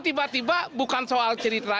tiba tiba bukan soal cerita